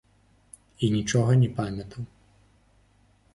І нічога не памятаў.